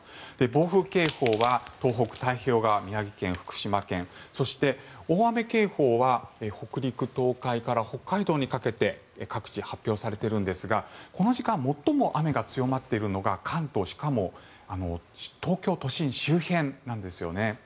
暴風警報は東北、太平洋側宮城県、福島県そして、大雨警報は北陸、東海から北海道にかけて各地、発表されてるんですがこの時間最も雨が強まっているのが関東しかも東京都心周辺なんですよね。